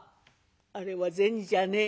「あれは銭じゃねえ」。